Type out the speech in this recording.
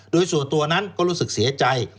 โดยส่วนตัวนั้นก็รู้สึกเสียใจ